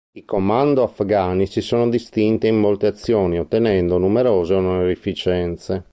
I commando afghani si sono distinti in molte azioni, ottenendo numerose onorificenze.